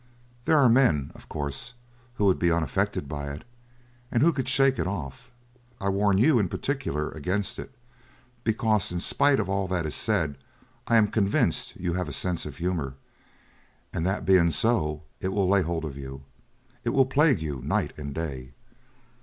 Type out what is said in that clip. There are men, of course, who would be unaffected by it—who could shake it off. I warn you in particular against it, because, in spite of all that is said, I am convinced you have a sense of humour; and that being so, it will lay hold of you. It will plague you night and day.